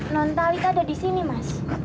non talita ada disini mas